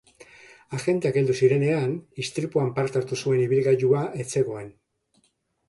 Agenteak heldu zirenean, istripuan parte hartu zuen ibilgailua ez zegoen.